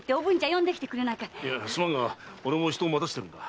いやすまんが俺も人を待たせてるんだ。